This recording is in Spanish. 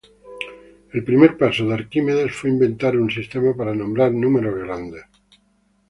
El primer paso de Arquímedes fue inventar un sistema para nombrar números grandes.